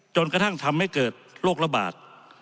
จนกระทั่งทำให้เกิดโรคระบาด